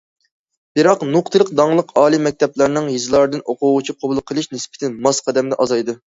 بىراق، نۇقتىلىق، داڭلىق ئالىي مەكتەپلەرنىڭ يېزىلاردىن ئوقۇغۇچى قوبۇل قىلىش نىسبىتى ماس قەدەمدە ئازايدى.